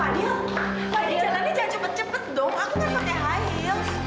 pak adil pak adil jangan cepat cepat dong aku kan pakai hadil